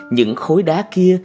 những khối đá kia